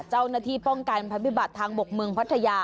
เจ้าหน้าที่ป้องกันภัยพิบัติทางบกเมืองพัทยา